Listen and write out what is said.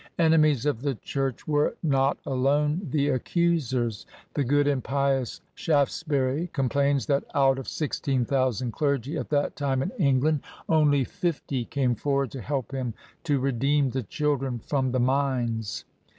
" Enemies of the church were not alone the accusers. The good and pious Shaftesbury complains that out of sixteen thousand clergy at that time in England, only 3* 30 TRANSITION, fifty came forward to help him to redeem the children from the mines.